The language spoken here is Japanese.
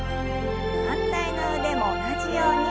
反対の腕も同じように。